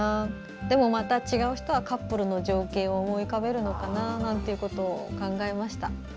でもまた違う人はカップルの情景を思い浮かべるのかななんて考えました。